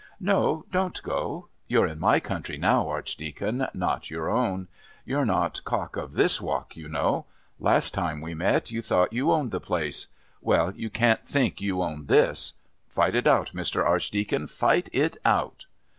"No. Don't go. You're in my country now, Archdeacon, not your own. You're not cock of this walk, you know. Last time we met you thought you owned the place. Well, you can't think you own this. Fight it out, Mr. Archdeacon, fight it out."